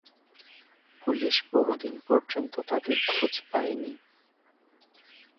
Police বহুদিন পর্যন্ত তাদের খোঁজ পায়নি।